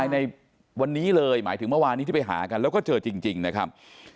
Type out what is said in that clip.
ในวันนี้เลยหมายถึงเมื่อวานนี้ที่ไปหากันแล้วก็เจอจริงนะครับ